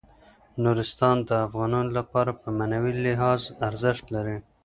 نورستان د افغانانو لپاره په معنوي لحاظ ارزښت لري.